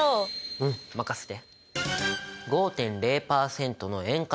うん任せて。